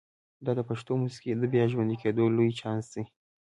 دا د پښتو موسیقۍ د بیا ژوندي کېدو لوی چانس دی.